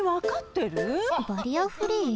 バリアフリー？